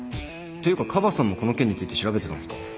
ていうかカバさんもこの件について調べてたんすか？